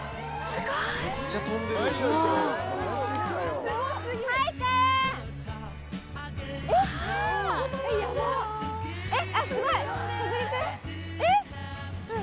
すごい。え